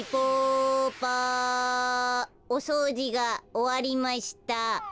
おそうじがおわりました。